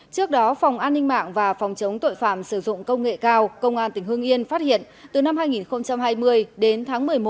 trước đó phòng an ninh mạng và phòng chống tội phạm sử dụng công nghệ cao công an tỉnh hương yên phát hiện từ năm hai nghìn hai mươi đến tháng một mươi một năm hai nghìn một mươi chín